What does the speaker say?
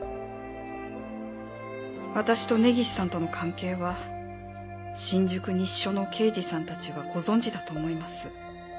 「私と根岸さんとの関係は新宿西署の刑事さん達は御存知だと思います」